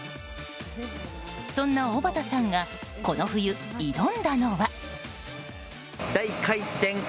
そんなおばたさんがこの冬、挑んだのは。